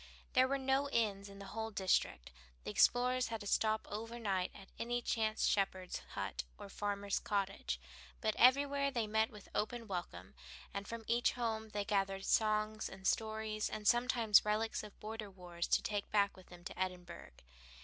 There were no inns in the whole district. The explorers had to stop over night at any chance shepherd's hut or farmer's cottage, but everywhere they met with open welcome, and from each home they gathered songs and stories, and sometimes relics of border wars to take back with them to Edinburgh.